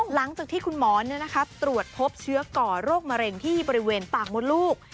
หลังจากที่คุณหมอตรวจพบเชื้อก่อโรคมะเร็งที่บริเวณปากมดลูก